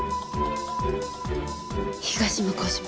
東向島！